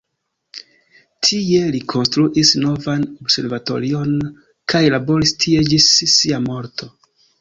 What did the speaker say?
Tie li konstruis novan observatorion kaj laboris tie ĝis sia morto.